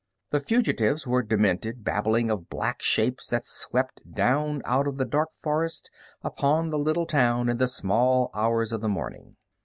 The fugitives were demented, babbling of black shapes that swept down out of the dark forest upon the little town in the small hours of the morning.